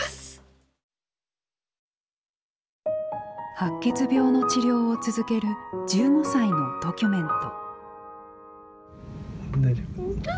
白血病の治療を続ける１５歳のドキュメント。